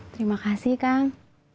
terima kasih kang